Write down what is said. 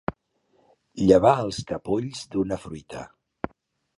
Llevar els capolls d'una fruita.